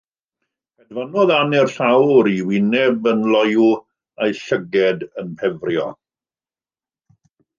Hedfanodd Ann i'r llawr, ei wyneb yn loyw a'i llygaid yn pefrio.